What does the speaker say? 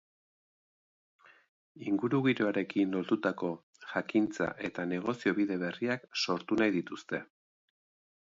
Ingurugiroarekin lotutako jakintza eta negozio bide berriak sortu nahi dituzte.